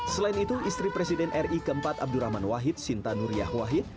selain itu istri presiden ri keempat abdurrahman wahid sinta nuriyah wahid